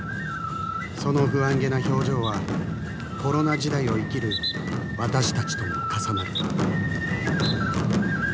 その不安げな表情はコロナ時代を生きる私たちとも重なる。